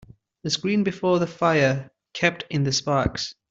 The screen before the fire kept in the sparks.